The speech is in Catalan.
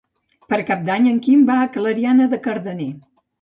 Per Cap d'Any en Quim va a Clariana de Cardener.